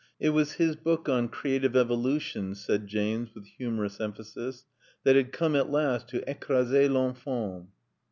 It was his book on creative evolution, said James with humorous emphasis, that had come at last to "écraser l'infâme."